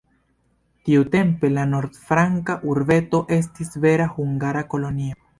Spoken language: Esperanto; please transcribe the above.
Tiutempe la nord-franca urbeto estis vera hungara kolonio.